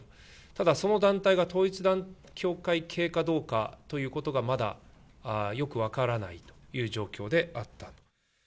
ただ、その団体が統一教会系かどうかということが、まだよく分からないという状況であった。